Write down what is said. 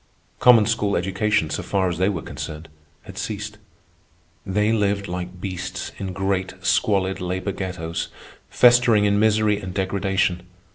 Common school education, so far as they were concerned, had ceased. They lived like beasts in great squalid labor ghettos, festering in misery and degradation.